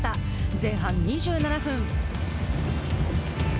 前半２７分。